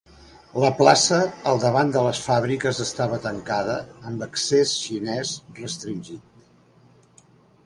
La plaça al davant de les fàbriques estava tancada, amb accés xinès restringit.